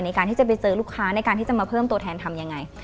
ในการที่จะไปเจอลูกค้าในการที่จะมาเพิ่มตัวแทนทำยังไง